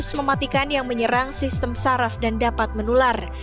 yang diperhatikan yang menyerang sistem saraf dan dapat menular